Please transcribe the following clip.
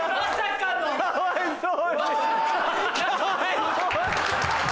かわいそう。